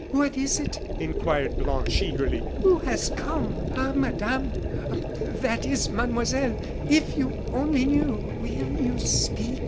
"What is it?" inquired Blanche, eagerly. "Who has come?" "Ah, Madame that is, Mademoiselle, if you only knew " "Will you speak?"